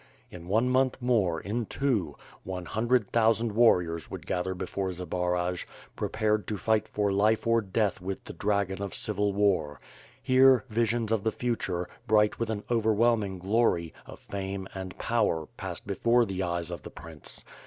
In one month more, in two, one hundred thousand warriors would gather before Zbaraj, prepared to fight for life or death with the dragon of civil war. Here, visions of the future, bright with an overwhelming glory, of fame and power, passed before the eyes of the prince.